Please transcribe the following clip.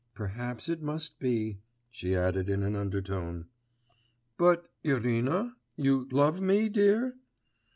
'Perhaps, it must be,' she added in an undertone. 'But, Irina, you love me, dear?